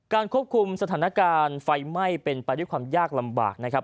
ควบคุมสถานการณ์ไฟไหม้เป็นไปด้วยความยากลำบากนะครับ